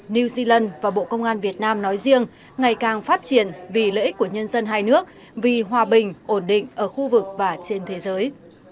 new zealand và bộ công an việt nam nói riêng ngày càng phát triển vì lợi ích của nhân dân hai nước vì hòa bình ổn định ở khu vực và trên thế giới